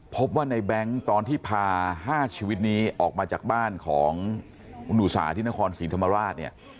พบว่าในแบงค์ตอนที่พา๕ชีวิตนี้ออกมาจากบ้านของคุณอุตสาหที่นครศรีธรรมราชเนี่ย